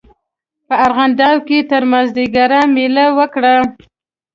په ارغنداو کې تر مازیګره مېله وکړه.